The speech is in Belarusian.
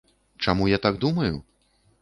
Чаму я так думаю?